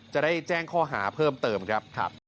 จะได้แจ้งข้อหาเพิ่มเติมครับ